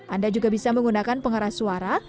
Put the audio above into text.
anda juga bisa menggunakan pengeras suara